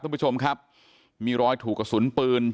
ท่านผู้ชมครับมีรอยถูกกระสุนปืน